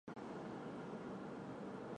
现在住在横滨市。